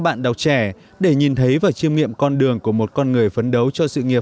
bạn đọc trẻ để nhìn thấy và chiêm nghiệm con đường của một con người phấn đấu cho sự nghiệp